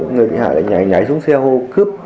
người bị hại lại nhảy xuống xe hô cướp